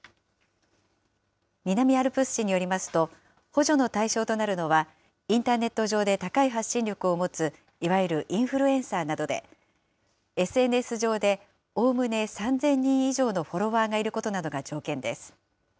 南アルプス市によりますと、補助の対象となるのはインターネット上で高い発信力を持つ、いわゆるインフルエンサーなどで、ＳＮＳ上でおおむね３０００人以上のフォロワーがいることなどが条件です。